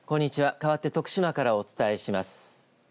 かわって徳島からお伝えします。